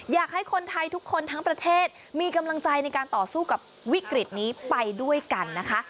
อยากให้คนไทยทุกคนทั้งประเทศมีกำลังใจในการต่อสู้กับวิกฤตนี้ไปด้วยกันนะคะ